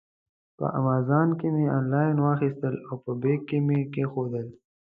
په امازان کې مې آنلاین واخیستل او په بیک کې مې کېښودل.